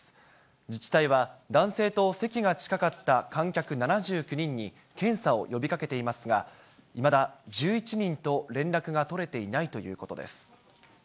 自治体は男性と席が近かった観客７９人に検査を呼びかけていますが、いまだ１１人と連絡が取れていないということです。